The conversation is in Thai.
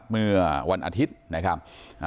เมื่อวันอาทิตย์นะครับ